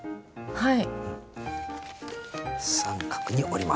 はい。